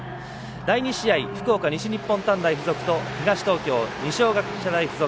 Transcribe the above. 第２試合福岡、西日本短大付属と東東京、二松学舎大付属。